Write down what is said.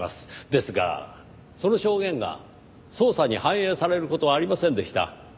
ですがその証言が捜査に反映される事はありませんでした。